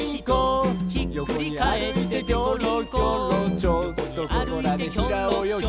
「ちょっとここらでひらおよぎ」